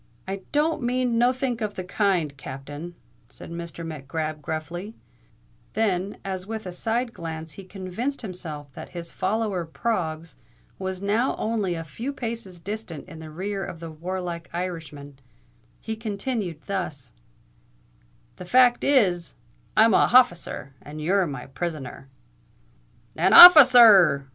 "It don't mean nothink of the kind, Captain," said Mr. Mac Grab gruffly: then, as with a side glance he convinced himself that his follower Proggs was now only a few paces distant in the rear of the warlike Irishman, he continued thus:—"The fact is, I'm a hofficer—and you're my prisoner." "An officer r r!"